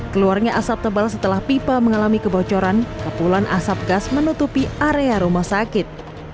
keluarnya asap tebal setelah pipa mengalami kebocoran kepulan asap gas menutupi area rumah sakit